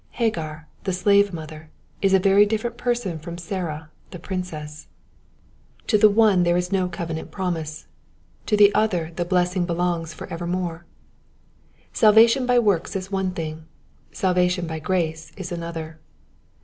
Hagar, the slave mother, is a very different person from Sarah, the princess. To the one there is no covenant 12 According to tfu Promise. promise, to the other the blessing belongs for ever more. Salvation by works is one thing ; salvation by grace is another.